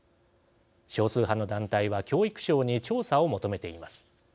少数派の団体は教育省に調査を求めています。